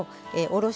お！